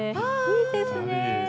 いいですね。